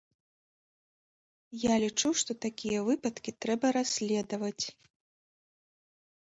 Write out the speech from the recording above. Я лічу, што такія выпадкі трэба расследаваць.